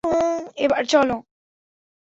এবার, চলো!